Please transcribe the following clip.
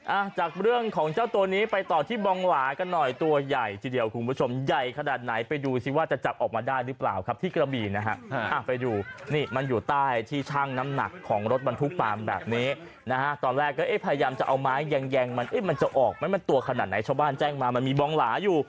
อ่ะจากเรื่องของเจ้าตัวนี้ไปต่อที่บองหลากันหน่อยตัวใหญ่ทีเดียวคุณผู้ชมใหญ่ขนาดไหนไปดูสิว่าจะจับออกมาได้หรือเปล่าครับที่กระบีนะฮะอ่ะไปดูนี่มันอยู่ใต้ที่ชั่งน้ำหนักของรถบรรทุกปาล์มแบบนี้นะฮะตอนแรกก็เอ๊ะพยายามจะเอาไม้แยงแยงมันเอ๊ะมันจะออกไหมมันตัวขนาดไหนชาวบ้านแจ้งมามันมีบองหลาอยู่